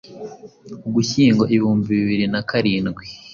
Ugushyingo ibihumbi bibiri na karindwi